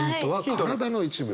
体の一部。